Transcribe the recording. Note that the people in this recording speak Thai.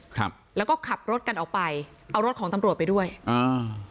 ครับแล้วก็ขับรถกันออกไปเอารถของตำรวจไปด้วยอ่า